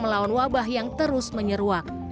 melawan wabah yang terus menyeruak